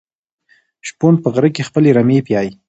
شپون په غره کې خپلې رمې پيايي.